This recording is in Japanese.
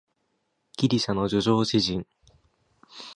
ギリシャの叙情詩人